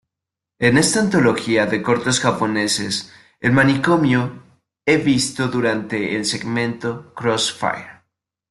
En esta antología de cortos japoneses, el manicomio e visto durante el segmento "Crossfire".